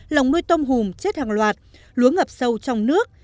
lồng nuôi tôm hùm chết hàng loạt lúa ngập sâu trong nước